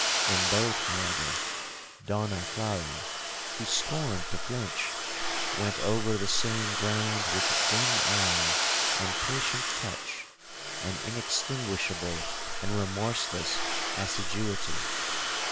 In both, however, Donna Clara (who scorned to flinch) went over the same ground with dim eye, and patient touch, and inextinguishable and remorseless assiduity.